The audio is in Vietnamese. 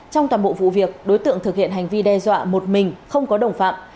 trong toàn bộ vụ việc đối tượng thực hiện hành vi đe dọa một mình không có đồng phạm